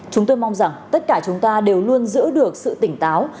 chúng tôi mong rằng tất cả chúng ta đều luôn giữ được sự tỉnh táo